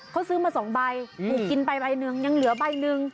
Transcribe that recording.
เขาซื้อมา๒ใบถูกกินไปใบหนึ่งยังเหลือใบหนึ่ง